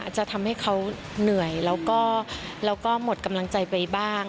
จะทำให้เขาเหนื่อยแล้วก็หมดกำลังใจไปบ้าง